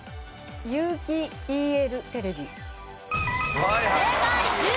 有機ＥＬテレビ。